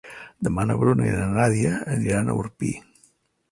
Demà na Bruna i na Nàdia aniran a Orpí.